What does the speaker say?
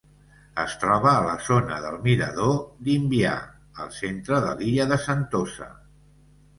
Es troba a la zona del mirador d'Imbiah, al centre de l'illa de Sentosa.